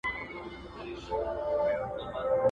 وارخطا ژبه یې وچه سوه په خوله کي!